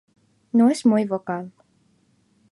No es muy vocal.